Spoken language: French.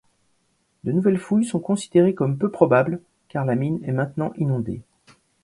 De nouvelles fouilles sont considérées comme peu probables, car la mine est maintenant inondée.